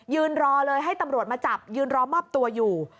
ยืนรอเลยให้ตำรวจมาจับยืนรอมอบตัวอยู่